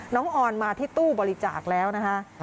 ออนมาที่ตู้บริจาคแล้วนะคะ